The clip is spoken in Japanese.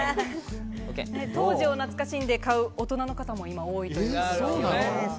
当時を懐かしんで買う大人の方も今、多いという。